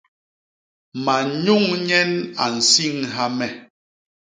Manyuñ nyen a nsiñha me.